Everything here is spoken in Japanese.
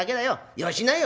よしなよ」。